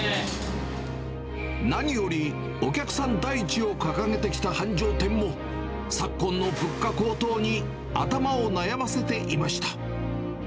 何よりお客さん第一を掲げてきた繁盛店も、昨今の物価高騰に頭を悩ませていました。